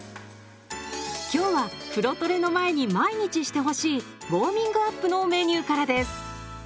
今日は風呂トレの前に毎日してほしい「ウォーミングアップ」のメニューからです。